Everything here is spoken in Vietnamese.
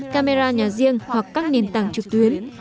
camera nhà riêng hoặc các nền tảng trực tuyến